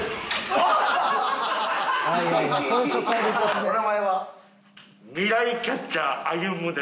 お名前は？